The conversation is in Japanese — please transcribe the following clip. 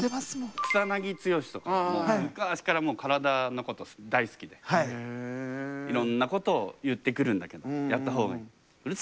草剛とかも昔から体のこと大好きでいろんなことを言ってくるんだけど「やった方がいい」って。